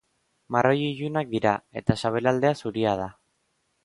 Marroi ilunak dira, eta sabelaldea zuria da.